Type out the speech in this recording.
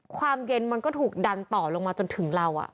ความเย็นมันก็ถูกดันต่อลงมาจนถึงเรา